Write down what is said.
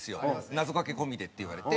「謎かけ込みで」って言われて。